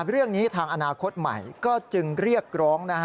เรื่องนี้ทางอนาคตใหม่ก็จึงเรียกร้อง